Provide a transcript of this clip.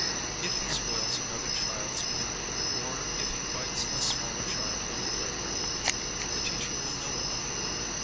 If he spoils another child"? painting or if he fights a smaller child on the playground, the teacher will know about it.